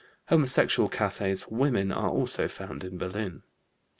Homosexual cafés for women are also found in Berlin.